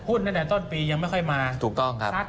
ตั้งแต่ต้นปียังไม่ค่อยมาถูกต้องครับ